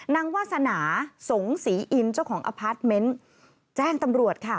วาสนาสงศรีอินเจ้าของอพาร์ทเมนต์แจ้งตำรวจค่ะ